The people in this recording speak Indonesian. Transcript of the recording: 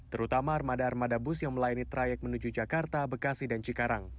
terutama armada armada bus yang melayani trayek menuju jakarta bekasi dan cikarang